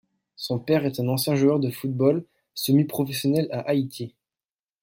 Son père est un ancien joueur de football semi-professionnel à Haïti.